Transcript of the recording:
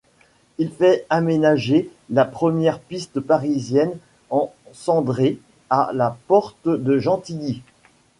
Il fait aménager la première piste parisienne en cendrée, à la porte de Gentilly.